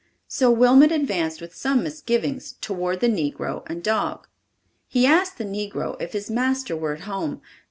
So Wilmot advanced with some misgivings toward the negro and dog. He asked the negro if his master were at home.